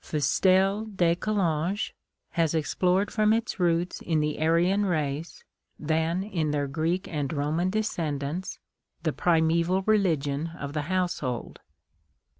Fustel de Coulanges has explored from its roots in the Aryan race, then in their Greek and Roman descendants, the primeval religion of the household.